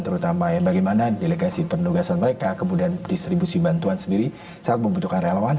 terutama bagaimana delegasi penugasan mereka kemudian distribusi bantuan sendiri sangat membutuhkan relawan